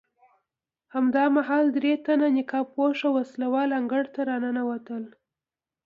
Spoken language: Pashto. همدا مهال درې تنه نقاب پوشه وسله وال انګړ ته راکېوتل.